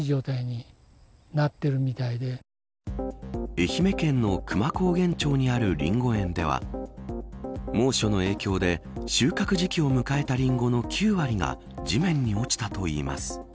愛媛県の久万高原町にあるリンゴ園では猛暑の影響で、収穫時期を迎えたリンゴの９割が地面に落ちたといいます。